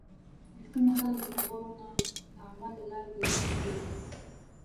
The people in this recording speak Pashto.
رښتیني خلک د خبرو نه، د عمل له لارې پیژندل کېږي.